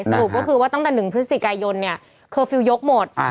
สรุปก็คือว่าตั้งแต่๑พฤศจิกายนเนี่ยเคอร์ฟิลล์ยกหมด